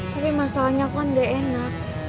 tapi masalahnya kan gak enak